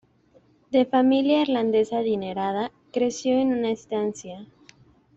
De familia irlandesa adinerada, creció en una estancia.